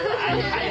はい。